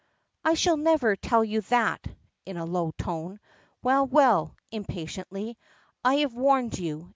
"I shall never tell you that," in a low tone. "Well, well," impatiently; "I have warned you.